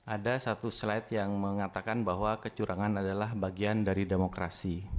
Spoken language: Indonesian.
ada satu slide yang mengatakan bahwa kecurangan adalah bagian dari demokrasi